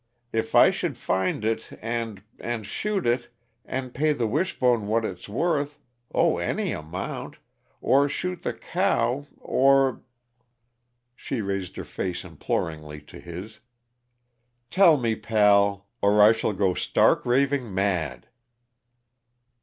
If I should find it and and shoot it and pay the Wishbone what it's worth oh, any amount or shoot the cow or " she raised her face imploringly to his "tell me, pal or I shall go stark, raving mad!"